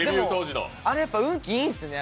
あれ、運気いいんですね